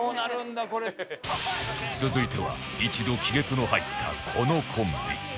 続いては一度亀裂の入ったこのコンビ